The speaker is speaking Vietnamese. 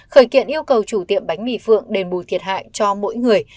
khởi kiện yêu cầu chủ tiệm bánh mì phượng đền bù thiệt hại cho mỗi người